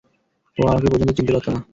ও আমাকে পর্যন্ত চিনতে পারত না।